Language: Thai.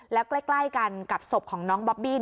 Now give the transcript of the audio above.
แล้วใกล้กันกับศพของน้องบอบบี้